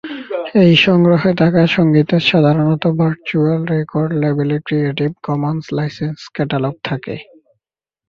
এই সংগ্রহে থাকা সংগীতের সাধারণত ভার্চুয়াল রেকর্ড লেবেলের ক্রিয়েটিভ কমন্স-লাইসেন্স ক্যাটালগ থাকে।